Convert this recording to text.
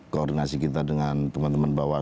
koordinasi kita dengan teman teman bawah